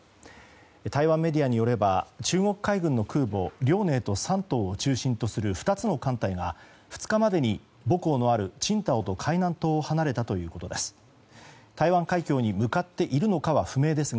台湾メディアによれば中国海軍の空母「遼寧」と「山東」を中心とする２つの艦隊が２日までに母港のある青島と海南島を離れたということです。